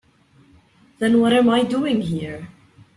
Then what am I doing here?